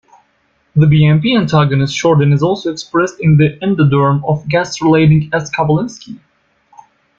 The bmp antagonist chordin is also expressed in the endoderm of gastrulating "S. kowalevskii".